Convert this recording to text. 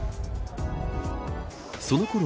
そのころ